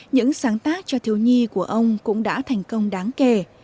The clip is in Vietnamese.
những sáng tác cho thiếu nhi của ông cũng đã thành công đáng kể